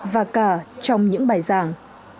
và cả trong những bài giảng